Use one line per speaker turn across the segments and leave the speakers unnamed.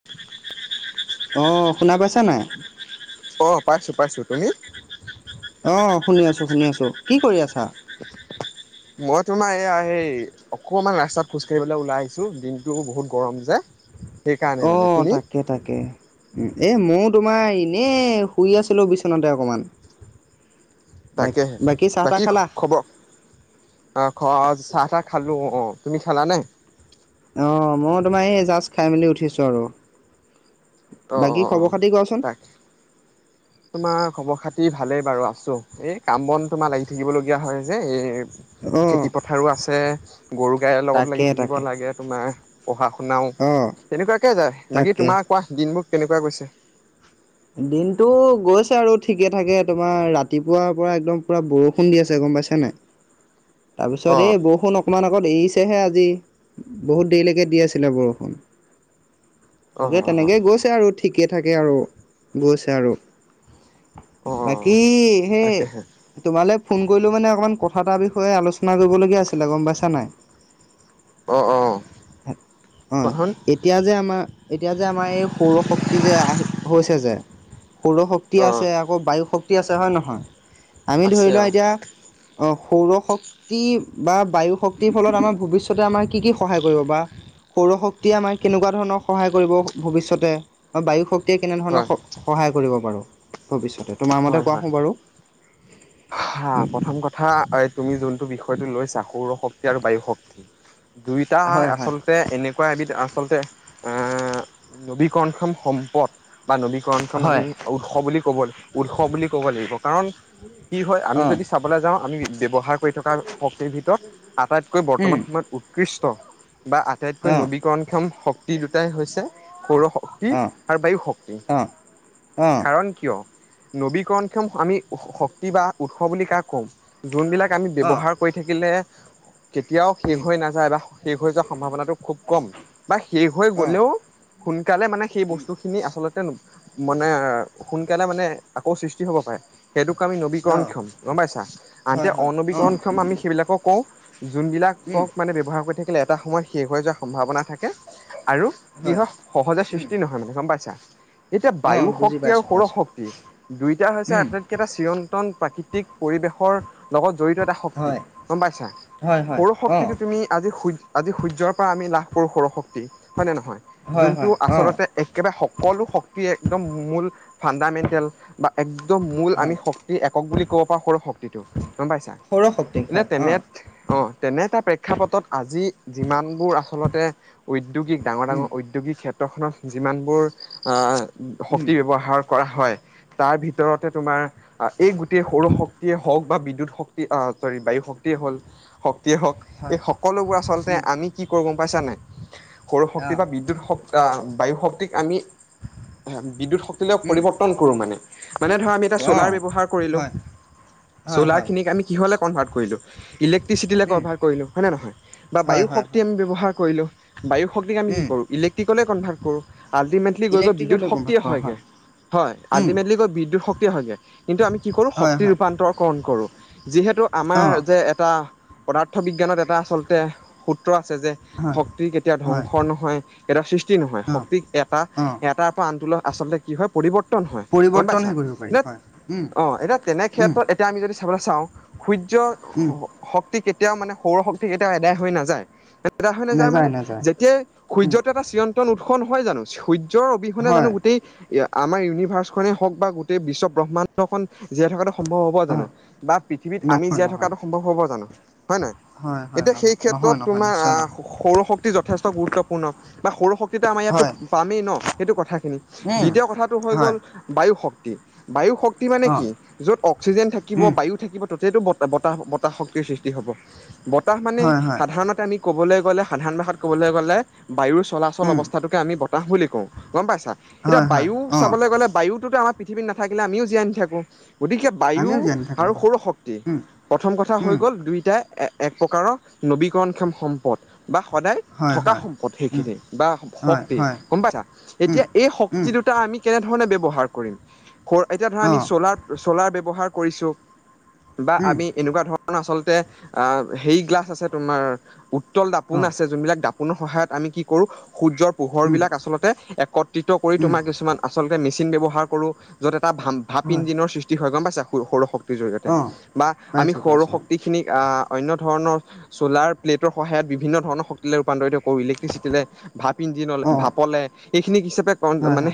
[inaudible]
অ', শুনা পাইছা নাই।
অ', পাইছো পাইছো তুমি?
অ', শুনি আছো শুনি আছো কি কৰি আছা?
মই তোমাৰ এইয়া সেৰি অকমান ৰাস্তাত খোজ কাঢ়িবলে ওলাই আহিছো দিনটো বহুত গৰম যে সেইকাৰণে
অ
মানে
তাক
তুমি
তাকে তাকে এই মইও তোমাৰ এনেই শুই আছিলোঁ বিচনাতে অকণমান বাকী
তাকেহে
বাকী চাহ তাহ খালা
অ খোৱা চাহ তাহ খালো অ তুমি খালা নে
অ মই তোমাৰ এই জাষ্ট খাই মেলি উঠিছো আৰু
অ'
বাকী
অ' অ'
খবৰ খাটি কোৱাচোন
তাক তোমাৰ খবৰ খাটি ভালেই বাৰু আছো এই কাম বন তোমাৰ লাগি থাকিবলগীয়া হয় যে এই
অঁ
খেতি পথাৰো আছে গৰু গাইৰ লগত
তাকে
লাগি থাকিব
তাকে
লাগে তোমাৰ পঢ়া শুনাও
অঁ
তেনেকুৱাকে যায় বাকী
তাকে
তোমাৰ কোৱা দিনবোৰ কেনেকুৱা গৈছে
দিনতটো গৈছে আৰু ঠিকে থাকে তোমাৰ ৰাতিপুৱাৰ পৰা একদম পুৰা বৰষুণ দি আছে গম পাইচা নাই তাৰপিছত
অ'
এই বৰষুণ অ অকণমান আগত এৰিছেহে আজি বহুত দেৰিলৈকে দি আছিলে বৰষুণ
অ'
তাকে
অ'
তেনেকেই গৈছে আৰু ঠিকে থাকে আৰু গৈছে আৰু
অ' অ
বাকী সেই
তাকেহে
তোমালে ফোন কৰিলো মানে অকমান কথা এটা বিষয়ে আলোচনা কৰিব লগা আছিলে গম পাইছা নাই
অ' অ' কখন
অ এতিয়া যে আমাৰ, এতিয়া যে-আমাৰ এই সৌৰশক্তি যে আহি হৈছে যে! সৌৰশক্তি শক্তি
অ
আছে আকৌ বায়ু শক্তি আছে হয়নে নহয়? আমি ধৰি
আছে
লোৱা
অ
এতিয়া অ সৌৰ শক্তি বা বায়ু শক্তিৰ ফলত আমাৰ ভৱিষ্যতে আমাৰ কি কি সহায় কৰিব বা সৌৰ শক্তিয়ে, আমাক কেনেকুৱা ধৰণৰ সহায় কৰিব ভৱিষ্যতে বা বায়ু শক্তি য়ে, কেনেধৰণৰ
হয়
স সহায় কৰিব বাৰু ভৱিষ্যত। তোমাৰ মতে
হয়, হয়,
কোৱাচোন
হা- প্ৰথম কথা তুমি যোনটো বিষয়টো লৈছা- সৌৰ শক্তি আৰু বায়ু শক্তি দুইটা
হয় হয়
আচল এনেকুৱা এবিধ আচলতে নবীকৰণক্ষম সম্পদ। বা নবীকৰণক্ষম আমি উৎস বুলি ক'ব উৎস, বুলি ক'ব লাগিব কাৰণ কি হয় আমি
অঁ
যদি চাবলৈ যাওঁ, আমি ব্যৱহাৰ কৰি থকা, শক্তিৰ ভিতৰত আটাইতকৈ
উম
বৰ্তমান সময়ত উৎকৃষ্ট বা আটাইতকৈ
অঁ
নবী ণক্ষম শক্তি দুটাই হৈছে- সৌৰ শক্তি
অঁ
আৰু বায়ু শক্তি।
অঁ
কাৰণ কিয় নবীকৰণক্ষম আমি শক্তি বা উৎস বুলি কাক কওঁ? যোনবিলাক আমি
অঁ
ব্যৱহাৰ কৰি থাকিলে কেতিয়াও শেষ হৈ নাযায় বা শেষ হৈ যোৱাৰ সম্ভাৱনাটো খুব কম বা শেষ হৈ
অঁ অঁ
গ'লেও সোনকালে মানে সেই
উম
বস্তু খিনি আচলতে মানে সোনকালে মানে আকৌ সৃষ্টি হ'ব পাৰে। সেইটোক আমি
অঁ
নবীকৰণক্ষম গম পাইছা। আনহতে,
হয় হয় অঁ
অনবীকৰণক্ষম আমি সেইবিলাকক
উম
কওঁ-যোনবিলাকক মানে ব্যৱহাৰ কৰি থাকিলে এটা সময়ত শেষ হৈ যোৱাৰ সম্ভাৱনা থাকে, আৰু কিহ হয় সহজে
উম
সৃষ্টি নহয় মানে গম পাইছা। এতিয়া,
অঁ
বায়ু
বুজি
শক্তি
পাইছোঁ
আৰু
পাইছোঁ
সৌৰশক্তি দুইটা হৈছে
উম
আটাইতকেইটা চিৰন্তন প্ৰাকৃতিক পৰিৱেশৰ লগত জড়িত এটা শক্তি
হয়
গম পাইছা?
হয় হয় অঁ
সৌৰশক্তিটো তুমি আজি সূৰ্য আজি সূৰ্যৰ পৰা আমি লাভ কৰো সৌৰশক্তি হয় নে নহয়?
হয় হয়
যোনটো
অঁ
আচলতে একেবাৰে সকলো শক্তি একদম মূল ফাণ্ডামেণ্টেল বা একদম মূল
হয়
আমি শক্তি একক বুলি ক'ব পাৰোঁ সৰু শক্তিটো গম পাইছা।
সৌৰ শক্তি
এনে
হয়
তেনে
অঁ
অ, তেনে এটা প্ৰেক্ষাপটত আজি যিমানবোৰ আচলতে উদ্যোগিক
উম
ডাঙৰ-ডাঙৰ, উদ্যোগিক ক্ষেত্ৰখনত যিমানবোৰ
উম,
শক্তি ব্যৱহাৰ কৰা হয়। তাৰ ভিতৰতে তোমাৰ এই গোটেই সৌৰশক্তিয়ে হওক বা বিদ্যুৎ শক্তি আহ চৰি বায়ু শক্তিয়ে হল শক্তিয়ে হওক,
হয়,
এই সকলোবোৰ আচলতে
উম,
আমি কি কৰো গম পাইছানে। সৌৰশক্তি
অ',
বা বিদ্যুৎ শক্তি বায়ু শক্তিক আমি বিদ্যুৎ শক্তিলে
উম,
পৰিৱৰ্তন কৰোঁ মানে। মানে ধৰা আমি এতিয়া চলাৰ
অ',
ব্যৱহাৰ কৰিলো,
হয়, হয়,
চলাৰ
হয়,
খিনিক আমি কিহলে কনভাৰ্ট কৰিলোঁ, ইলেক্ট্ৰিচিটিলে
উম,
কনভাৰ্ট কৰিলোঁ হয় নে নহয়? বা
হয়,
বায়ু
হয়,
শক্তি
হয়,
আমি ব্যৱহাৰ কৰিলো, বায়ু শক্তিক আমি কি
উম,
কৰো ইলেক ট্ৰিকলে কনভাৰ্ট কৰোঁ। আল্টিমেটলি গৈ গৈ
ইলেক্ট্ৰিকলৈ কনভাৰ্ট
বিদ্যুতশক্তিয়ে
কৰা
হয়গে,
হয়,
হয়
উম,
বিদ্যুৎশক্তিয়ে হয়গে কিন্তু আমি কি কৰো
হয়,
শক্তি
হয়,
ৰূপান্তৰকৰণ কৰো। যিহেতু আমাৰ
অ',
যে এটা পদাৰ্থ বিজ্ঞানত এটা আচলতে সূত্ৰ আছে, যে
হয়,
শক্তি কেতিয়াও
হয়,
ধ্বংস নহয় কেতিয়াও সৃষ্টি নহয়,
অ',
শক্তিক এটা
অ',
এটা আনটোলৈ আচলতে কি হয় পৰিৱৰ্তন হয়। গম পাইছা।
পৰিৱৰ্তনহে কৰিব পাৰি
এতি
হয়, উম,
অ এতিয়া তেনে
উম,
ক্ষেত্ৰত এতিয়া আমি যদি চাবলৈ চাওঁ সূৰ্য
উম,
শক্তি কেতিয়াও মানে সৌৰ শক্তি কেতিয়াও এদায় হৈ নাযায়। আদায় হৈ নাযায় মানে- যেতিয়াই
উম,
সূৰ্যটো এটা চিয়ন্ত্ৰন উৎস নহয় জানো? সূৰ্যৰ অবিহনে জানো
হয়,
গোটেই আমাৰ ইউনিভাৰ্চ খনে হওক বা গোটেই বিশ্ব ব্ৰহ্মাণ্ডখন জীয়াই থকাত সম্ভৱ হ'ব জানো
হয়,
বা পৃথিৱীত আমি
নহয়,
জীয়াই
নহয়,
থকাতটো সম্ভৱ হ'ব জানো হয় নে নহয়।
হয়, হয়,
এতিয়া সেই
নহয়, নহয়,
ক্ষেত্ৰত
নহয়,
তোমাৰ
নিশ্চয়
আহ
নহয়,
সৌৰ শক্তি যথেষ্ট গুৰুত্ব পূৰ্ণ বা সৰু শক্তিটো আমাৰ ইয়াতো
হয়,
পামেই ন সেইটো কথাখিনি
উম,
দ্বিতীয় কথাটো হৈ
হয়,
গ'ল বায়ু, শক্তি বায়ু শক্তি, মানে
অ',
কি য'ত অক্সিজেন থাকিব
উম,
বায়ু থাকিব। তাতেই বতাহ বতাহ শক্তিৰ সৃষ্টি হ'ব বতাহ মানে
হয়, হয়,
সাধাৰণতে আমি ক'বলৈ গ'লে সাধাৰণ ভাষাত ক'বলৈ গ'লে বায়ুৰ চলাচল
উম,
অৱস্থাতোকে আমি বতাহ বুলি কওঁ গম পাইছা এতিয়া
হয়, হয়,
বায়ু
অ',
চাবলৈ গ'লে বায়ুতোতো আমাৰ পৃথিৱীত নাথাকিলে আমিও জীয়াই আনি থাকো গতিকে বায়ু
আমিও জানি থাকোঁ
আৰু
হয়,
সৌৰশক্তি
উম,
প্ৰথম কথা হৈ
উম,
গ'ল দুয়োটাই এ এক প্ৰকাৰৰ নবীকৰণ কম সম্পদ বা সদায় থকা সম্পদ সেইখিনি বা শক্তি গমপাইছা এতিয়া এই শক্তিটোত টা আমি কেনেধৰণে ব্যৱহাৰ কৰিম এতিয়া ধৰা আমি চ'লাৰ- চলাৰ ব্যৱহাৰ কৰিছো বা আমি এনেকুৱা ধৰণ- কাৰ আচলতে অ হেৰি গ্লাছ আছে তোমাৰ উত্তল দাপোন আছে যোনবিলাক দাপোন। কুনৰ সহায়ত আমি কি কৰো সূৰ্যৰ পোহৰ বিলাক আচল্ততে একত্ৰিত কৰি তোমাৰ কিছুমান আচলতে মেচিন ব্যৱহাৰ কৰো যত এটা ভ ভাপ ইঞ্জিনৰ সৃষ্টি হয় গম পাইছেৰু সৌৰশক্তি জৰিয়তে বা আমি সৌৰ শক্তি খিনিক আহ অনন্য ধৰণৰ চ'লাৰ প্লেটৰ সহায়ত বিভিন্ন ধৰণৰ শক্তিলৈ ৰূপান্তৰিত কৰিলে ভাপ ইঞ্জিনৰে বাপৰে সেই খিন হিচাপে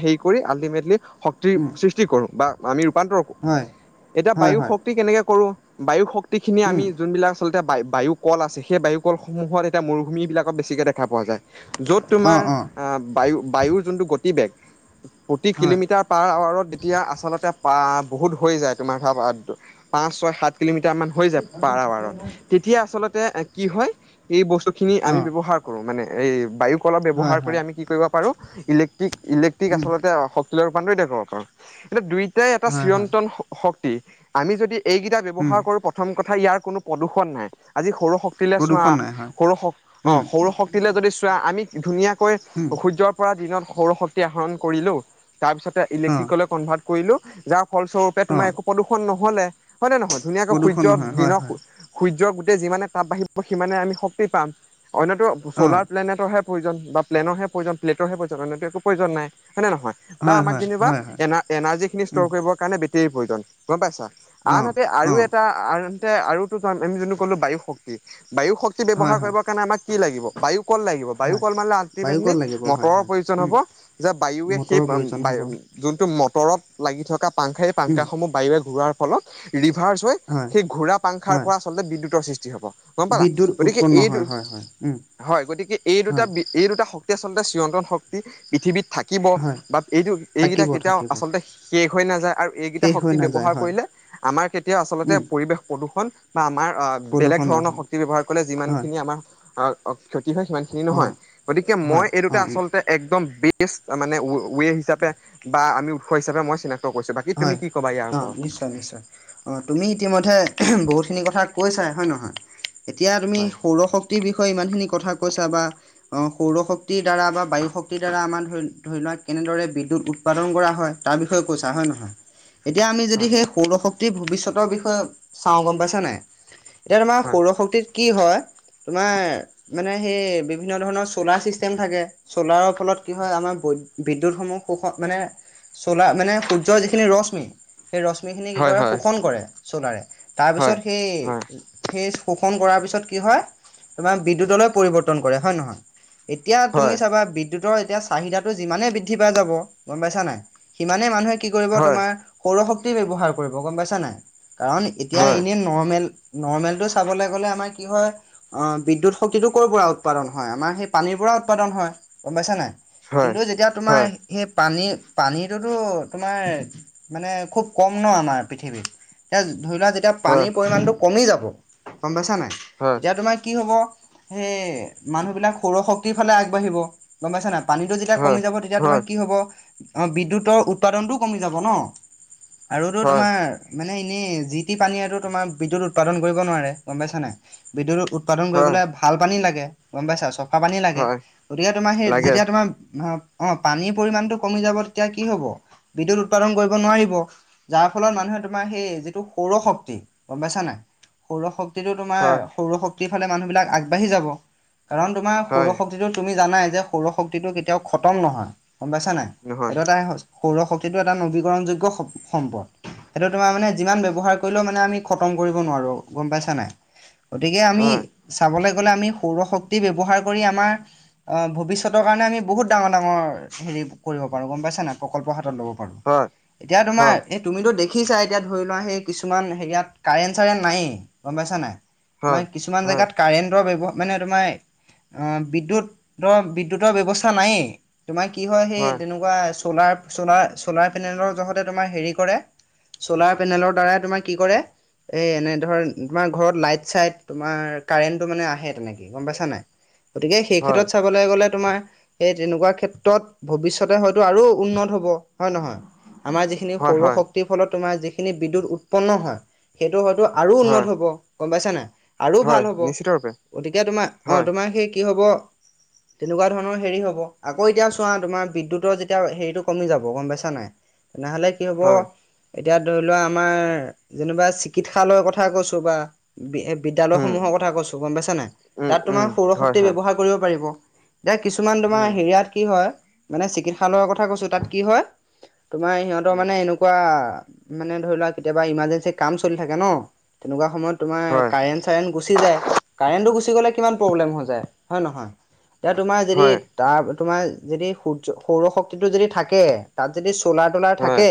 হে কৰি আলটিটল সৃষ্টি কৰো বা আমি ৰূপান্তৰ কৰো এতিয়া বায়ু, শক্তি কেনেকে কৰো। বায়ু শক্তিখিনি আমি যোনবিলাক আচলতে বায়ু কল আছে সেই বায়ু কলসমূহত এতিয়া মৰুভূমি বিলাকক বেছিকে দেখা পোৱা যায়। য'ত তোমাৰ বায়ু বায়ুৰ যোনটো গতিবেগ প্ৰতি কিলোমিটাৰ। পাৰ আৱাৰত তেতিয়া আচলতে প বহুত হৈ যায় তোমাৰ ধ পাঁচ ছয় সাত কিলোমিটাৰ মান হৈ যায়। পাৰ আাৱাৰত তেতিয়া আচলতে কি হয় এই বস্তুখিনি আমি ব্যৱহাৰ কৰো মানে এই বায়ু অলপ ব্যৱহাৰ কৰি আমি কি কৰিব পাৰোঁ ইলেক্ট্ৰিক ইলেক্ট্ৰিক আচলতে শৰ এ দুইটাই এটা চিৰন্তন শক্তি আমি যদি এইকেইটা ব্যৱহাৰ কৰোঁ প্ৰথম কথা ইয়াৰ কোনো প্ৰদূষণ নাই আজি সৰু শক্তি সৌৰশক্তি চোৱা
নাই হয়।
সৰু অ
উম।
সৌৰ শক্তিলে যদি চোৱা আমি ধুনীয়াকৈ
উম।
সূৰ্যৰ পৰা দিনত সৌৰ শক্তি আহৰণ কৰিলো তাৰপিছতে
অ।
ইলেক্ট্ৰিকলৈ কনভাৰ্ট কৰিলো যাৰ ফলস্বৰুপে
অ।
তোমাৰ একো প্ৰদূষণ নহলে হয়নেে নহয় ধুনীয়াকে
প্ৰদূষণ
সূৰ্যৰ
নহয়। হয়
দিনক
হয়।
সূৰ্যৰ গোটেই যিমানে তটাপ বাঢ়িব সিমানে আমি শক্তি পাম অন্যতো
অ।
ছ'লাৰ প্লেনেটৰহে প্ৰয়োজন বা প্লেনৰহে প্ৰয়োজন্লেটৰহে প্ৰয়জননেতো একো প্ৰয়োজন নাই হয়েনে নহয় বা
হয়
আমাক
হয়।
যেনিবা
হয় হয়।
এ এনাৰ্জি খিনি ষ্ট'ৰ
উম।
কৰিবৰ কাৰণে বেটেৰীৰ প্ৰয়োজন গম পাইছা
অ।
আনহাতে আৰু
অ।
এটা আনহাতে আৰু আমি যোনটো কলো বায়ু শক্তি বায়ু শক্তি বেচি
হয়
ব্যৱহাৰ
হয়।
কৰিবৰ কাৰণে আমাক কি লাগিব বায়ু কল লাগিব বায়ু
হয়।
কল মানে
বায়ু কল
আল্টিমেটলি-
লাগিব। হয়
মটৰৰ
হয়।
প্ৰয়োজন
উম।
হব যে বায়ুৱে সেই
মটৰৰ প্ৰয়োজন হ'ব।
যোনতটো মটৰত লাগি থকা পাংখা এই পাংখা
উম।
সমূহ বায়িৰে ঘূৰাৰ ফলত ৰিভাৰ্চ হৈ
হয়
সেই ঘোঁৰা পাংখাৰ
হয়
পৰা আচলতে বিদ্যুতৰ সৃষ্টি হ'ব। গম পালা
বিদ্যুৎ
গতিকে
উৎপন্ন
এইটো
হয় হয় হয় উম
হয় গতিকে এই দুটা
হয়
বি এই দুটা শক্তি আচল্ততে চিয়ন্ত্ৰন শক্তি পৃথিৱীত থাকিব।
হয়
বা এইটো এইকেইটা
থাকিব
কেতিয়াও
থাকিব
আচলতে শেষ হৈ নাযায় আৰু এইকেইটা
শেষ হৈ
শক্তি
নাযায়
ব্যৱহাৰ
হয়
কৰিলে আমাৰ কেতিয়াও আচলতে
উম
পৰিৱেশ প্ৰদূষণ বা আমাৰ বেলেগ
প্ৰদূষণ
ধৰণৰ
নহয়
শক্তি ব্যয়ৱহাৰ কৰিলে
হয়
যিমানখিনি আমাৰ আহ ক্ষতি হয় সিমানখিনি
অ
নহয়, গতিকে
হয়
মই এই
অ
দুটা আচলতে একদম বেচ মানে উ- ৱে হিচাপে বা আমি উৎস হিচাপে মই চিনাক্ত কৰিছো বাকী তুমি কি ক'বা ইয়াৰ ওপৰত।
অঁ তুমি ইতিমধ্যে বহুতখিনি কথা কৈছাই হয় নে নহয়, এতিয়া তুমি
হয়
সৌৰশক্ত বিষয়ে ইমানখিনি কথা কৈছা বা। অঁ সৌৰ শক্তিৰ দ্বাৰা বা বায়ু শক্তিৰ দ্বাৰা আমাৰ ধৰি ধৰি লোৱাক কেনেদৰে বিদ্যুৎ উৎ ৎপাদন কৰা হয় তাৰ বিষয়ে কৈছা হয় নহয়। এতিয়া আমি যদি
হয়
সেই সৌৰশক্তি ভৱিষ্যতৰ বিষয়ে চাও গম পাইছা নাই। এতিয়া তোমাৰ সৌৰ শক্তিত কি হয় তোমাৰ মানে সেই বিভিন্ন ধৰণৰ চ'লাৰ ছিষ্টেম থাকে, চ'লাৰৰ ফলত কি হয় আমাৰ বৈ বিদ্যুৎ সমূহ সুখত মানে চলা ম ৰ যিখিনি ৰশ্মি সেই ৰশ্মিখিনি কি
হয়
কৰে
হয়
শোষণ কৰে চোলাৰে
হয়
তাৰপিছত সেই
হয়
সেই শোষণ কৰাৰ পিছত কি হয় তোমাৰ বিদ্যুতলৈ পৰিৱৰ্তন কৰে হয়ে নহয়। এতিয়া তুমি
হয়
চাবা বিদ্যুতৰ এতিয়া চাহিদাটো যিমানে বৃদ্ধি পাই যাব গম পাইছা নাই, সিমানে মানুহে কি কৰিব
হয়
তোমাৰ সৌৰ শক্তি ব্যৱহাৰ কৰিব গম পাইছা নাই? কাৰণ
হয়
এতিয়া
হয়
এনে নৰ্মেল নৰ্মেলটো চাবলৈ গ'লে, আমাৰ কি হয়। অঁ বিদ্যুত শক্তিটো কৰ'ৰ পৰা উৎপাদন হয় আমাৰ সেই পানীৰ পৰা উৎপাদন হয় গম পাইছ নাই।
হয়
কিন্তু যেতিয়া তোমাৰ
হয়
সেই পানী পানীটোতো- তোমাৰ মানে খুব কম ন আমাৰ পৃথিৱীত, এতিয়া ধৰি লোৱা যেতিয়া
হয়,
পানীৰ পৰিমাণটো- কমি যাব গম পাইছা নাই,
হয়,
তেতিয়া তোমাৰ কি হ'ব? সেই মানুহবিলাক সৌৰ শক্তিৰ ফালে আগবাঢ়িব। গম পাইছা নাই পানীটো যেতিয়া
হয়,
কমি যাব, তেতিয়া তোমাৰ
হয়,
কি হব অ বিদ্যুতৰ উৎপাদনতটোও কমি যাব ন। আৰুতো
হয়,
তোমাৰ- মানে এনেই যি টি পানী আৰু তোমাৰ বিদ্যুত উৎপাদন কৰিব নোৱাৰে, গম পাইছা নাই। বিদ্যুত উৎপাদন
হয়,
কৰিবলৈ ভাল পানী লাগে, গম পাইছা চব। চফা পানী লাগে,
হয়,
গতিকে তোমাৰ সেই
লাগে,
যেতিয়া তোমাৰ- অ পানীৰ পৰিমণটো কমি যাব তেতিয়া কি হব বিদ্যুৎ উৎপাদন কৰিব নোৱাৰিব। যাৰ ফলত মানুহে তোমাৰ সেই যিটো সৌৰ শক্তি গম পাইছা নাই। সৌৰ শক্তিটো তোমাৰ
হয়,
সৌৰ শক্তিৰ ফালে মানুহবিলাক আগবাঢ়ি যাব, কাৰণ তোমাৰ
হয়,
সৌৰ শক্তি তুমি জানাই যে সৌৰ শক্তিটো কেতিয়াও খতম নহয়, গম পাইছা নাই
নহয়,
সটো এটা সৌৰ শক্তিটো এটা নবীকৰণযোগ্য সম্পদ। সেইটো তোমাৰ মানে যিমান ব্যৱহাৰ কৰিলেও মানে আমি খতম কৰিব নোৱাৰো গম পাইছা নাই। গতিকে আমি
হয়,
চাবলৈ গলে আমি সৌৰ শক্তি ব্যৱহাৰ কৰি আমাৰ অঁ ভৱিষ্যতৰ কাৰণে আমি বহুত ডাঙৰ ডাঙৰ হেৰি কৰিব পাৰোঁ গম পাইছা নাই। প্ৰকল্পৰ হাতত ল'ব পাৰো,
হয়,
এতিয়া
হয়,
তোমাৰ এই তুমিতো দেখিছা এতিয়া ধৰি লোৱা সেই কিছুমান হেয়াত কাৰেণ্ট চাৰেণ্ট নায়েই গম পাইছা নাই।
হয়,
তোমাৰ কিছুমান
হয়,
জেগাত কাৰেণ্টৰ ব্যৱ মানে তোমাৰ বিদ্যুতৰ বিদ্যুতৰ ব্যৱস্থা নায়েই। তোমাৰ কি হয় সেই তেনেকুৱা চলাৰ চলাৰ চলাৰ পেনেলৰ জগতে তোমাৰ হেৰি কৰে। চলাৰ পেনেলৰ দ্বাৰাই তোমাৰ কি কৰে? এ এনে ধৰ তোমাৰ ঘৰত লাইট চাইট তোমাৰ কাৰেণ্টো মানে আহে তেনেকে গম পাইছা নাই। গতিকে সেই
হয়,
ক্ষেত্ৰত চাবলৈ গলে তোমাৰ এই তেনেকুৱা ক্ষেত্ৰত ভৱিষ্যতে হয়তো আৰু উন্নত হ'ব হয় নহয়? আমাৰ যিখিনি
হয়,
সৌৰ
হয়,
শক্তি তি ফলত তোমাৰ যিখিনি বিদ্যুৎ উৎপন্ন হয়, সেইটো হয়তো আৰু
হয়,
উন্নত হব গম পাইছা নাই। আৰু
হয়,
ভাল হ'ব,
নিশ্চিতৰূপে,
গতিকে তোমাৰ অঁ
হয়,
তোমাৰ সেই কি হ'ব? তেনেকুৱা ধৰণৰ হেৰি হব আকৌ এতিয়া চোৱা তোমাৰ বিদ্যুতৰ যেতিয়া হেৰি টো কমি যাব গম পাইছা নাই? তেনেহলে কি হ'ব
হয়,
এতিয়া ধৰি লোৱা আমাৰ যেনিবা চিকিৎসালয়ৰ কথা কৈছো বা বি
উম,
বিদ্যালয়সমূহৰ কথা কৈছো গম পাইছা নাই?
উম,
তাত তোমাৰ
উম,
সৌৰ
হয়,
শক্তি
হয়,
ব্যৱহাৰ কৰিব পাৰিব। দে কিছুমান তোমাৰ
উম,
হেৰিয়াত কি হয় মানে চিকিৎসালয়ৰ কথা কৈছোঁ তাত কি হয় তোমাৰ সেহঁতৰ
উম,
মানে এনো তেনেকুৱা মানে ধৰি লোৱা কেতিয়াবা ইমাৰ্জেঞ্চি কাম চলি থাকে ন তেনেকুৱা সময়ত তোমাৰ
হয়,
কাৰেণ্ট - চাৰেন গুচি যায়, কাৰেণ্টটো গুচি গলে কিমান প্ৰব্লেম হৈ যায় হয় নহয়? এতিয়া তোমাৰ যদি
হয়,
তাৰ তোমাৰ যদি সূৰ্য সৌৰশক্তিটো যদি থাকে তাত যদি চ'লা তোলাৰ
হয়,
থাকে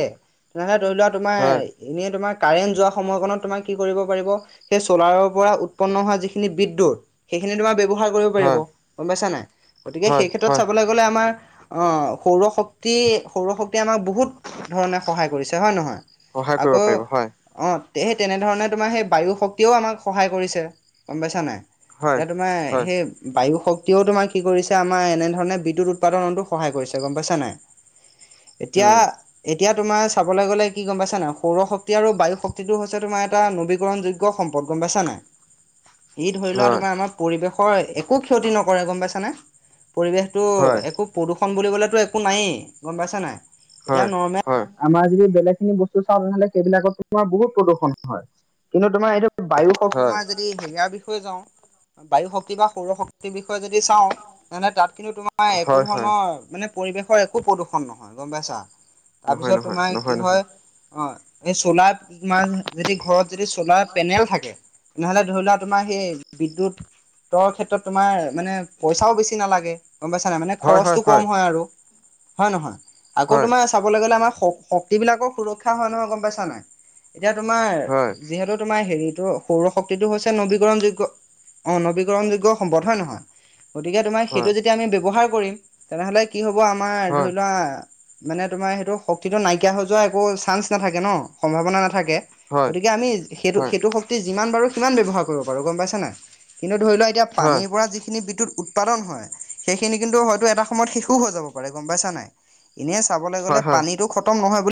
তেনেহ'লে ধৰি লোৱা তোমাৰ
হয়,
এনেই তোমাৰ কাৰেণ্ট যোৱা সময়কণত তোমাৰ কি কৰিব পাৰিব সেই চলাৰৰ পৰা উৎপন্ন হোৱা যিখিনি বিদ্যুৎ সেইখিনি তোমাৰ ব্যৱহাৰ কৰিব পাৰিব
হয়,
গম পাইছা নাই? গতিকে
হয়,
সেই ক্ষেত্ৰত
হয়,
চাবলৈ গলে আমাৰ অ সৌৰশক্তি - সৌৰশক্তি আমাক বহুত ধৰণে সহায় কৰিছে হয় নহয়
সহায় কৰিব
আকৌ
পাৰিব, হয়,
অ তে সেই তেনেধৰণে তোমাৰ সেই বায়ু শক্তিও আমাক সহায় কৰিছে গম পাইছা নাই?
হয়,
এতিয়া তোমাৰ
হয়,
সেই বায়ু শক্তিও তোমাৰ কি কৰিছে আমাৰ এনেধৰণে বিদ্যুৎ উৎপাদনতো সহায় কৰিছে গম পাইছা নাই? এতিয়া
উম,
এতিয়া তোমাৰ চাবলৈ গ'লে কি গম পাইছানে? সৌৰ শক্তি আৰু বায়ু শক্তিটো হৈছে তোমাৰ এটা নবীকৰণ যোগ্য সম্পদ গম পাইছা নাই? অ ই ধৰি লোৱা
হয়,
তোমাৰ আমাৰ পৰিৱেশৰ একো ক্ষতি নকৰে গম পাইছানে? পৰিৱেশ তো
হয়,
একো প্ৰদূষণ বুলিবলেতো একো নায়েই গম পাইছে নাই? এতিয়া
হয়,
নৰ্মেল
হয়,
আমাৰ যদি বেলেগখিনি বস্তু চাওঁ তেনেহ'লে সেইবিলাক তোমাৰ বহুত প্ৰদূষণ হয়। কিন্তু তোমাৰ এইটো বায়ু শক্তি
হয়,
তোমাৰ যদি হেৰিয়াৰ বিষয়ে যাওঁ বায়ু শক্তি বা সৌৰ শক তি বিষয়ে যদি চাও তেনেহলে তাত কিন্তু তোমাৰ একো
হয়,
ধৰণৰ
হয়,
মানে পৰিবেশৰ এ কো প্ৰদূষণ নহয় গম পাইছা?
নহয়, নহয়,
তাৰপিছত তোমাৰ কি
নহয়, নহয়।
হয় অ এই চলাৰ তোমাৰ যদি ঘৰত যদি চলাৰ পেনেল থাকে তেনেহলে ধৰি লোৱা তোমাৰ সেই বিদ্যুৎ তৰ ক্ষেত্ৰত তোমাৰ মানে পইচাও বেছি নালাগে গম পাইছা নাই মানে খৰচটো কম হয় আৰু। হয় নহয়? আকৌ
হয়
তোমাৰ চাবলৈ গলে আমাৰ শ শক্তিবিলাকৰ সুৰক্ষা হয় নহয় গম পাইছা নাই? এতিয়া তোমাৰ
হয়
যিহেতু তোমাৰ হেৰিটো সৌৰ শক্তিটো হৈছে নবীকৰণ যোগ্য অ নৱীকৰণ যোগ্য সম্পদ হয় নহয়? গতিকে তোমাৰ সেইটো
হয়
যেতিয়া আমি ব্যৱহাৰ কৰিম তেনেহলে কি হব আমাৰ
হয়
ধৰি লোৱা মানে তোমাৰ সেইটো শক্তিটো নাইকিয়া হৈ যোৱা একো চানস নাথাকে ন সম্ভাৱনা নাথাকে।
হয়
গতিকে আমি সেইটো
হয়
সেইটো শক্তি যিমান পাৰো সিমান ব্যৱহাৰ কৰিব পাৰো গম পাইছা নাই? কিন্তু ধৰি লোৱা এতিয়া
হয়
পানীৰ পৰা যিখিনি বিদ্যুৎ উৎ পাদন হয় সেইখিনি কিন্তু হয়তো এটা সময়ত শেষু হৈ যাব পাৰে গম পাইছা নাই? এনে চাবলৈ
হয়
গ'লে
হয়
পানীটো খতম নহয় বুলি